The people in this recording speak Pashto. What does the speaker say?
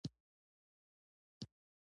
• د واورې پر مهال سړکونه یخ کېږي.